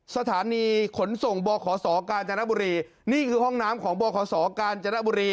สถานีขนส่งบขกจบนี่คือห้องน้ำของบขกจบ